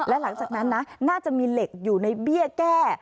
และหลังจากนั้นนะน่าจะมีเหล็กอยู่ในเบี้ยแก้